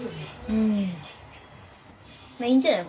うんまあいいんじゃない？